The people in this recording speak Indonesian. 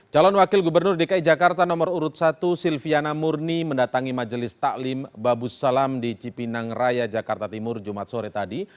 calon wakil gubernur dki jakarta nomor urut satu silviana murni mendatangi majelis taklim babus salam di cipinang raya jakarta timur jumat sore tadi